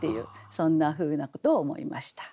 そんなふうなことを思いました。